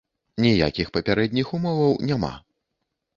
Ніякіх папярэдніх умоваў няма.